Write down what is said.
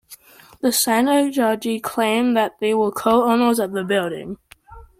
The synagogue claimed that they were co-owners of the building.